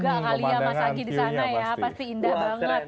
kali ya mas anggi disana ya pasti indah banget